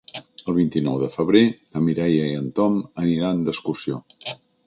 El vint-i-nou de febrer na Mireia i en Tom aniran d'excursió.